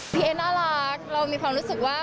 เอ๊น่ารักเรามีความรู้สึกว่า